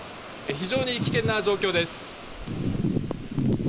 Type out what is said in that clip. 非常に危険な状況です。